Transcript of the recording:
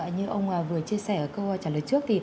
như ông vừa chia sẻ ở câu trả lời trước